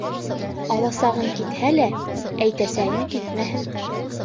Аласағың китһә лә, әйтәсәгең китмәһен.